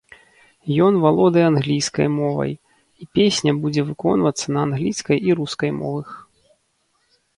Ён валодае англійскай мовай, і песня будзе выконвацца на англійскай і рускай мовах.